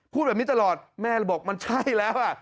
พูดแบบนี้ตลอดแม่เลยบอกมันใช่แล้ว